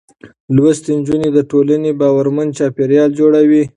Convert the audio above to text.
لوستې نجونې د ټولنې باورمن چاپېريال جوړوي.